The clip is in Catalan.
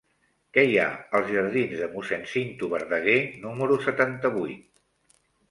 Què hi ha als jardins de Mossèn Cinto Verdaguer número setanta-vuit?